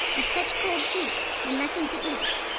I've such cold feet, And nothing to eat!